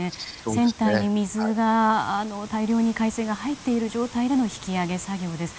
船体に大量に海水が入っている状態での引き揚げ作業です。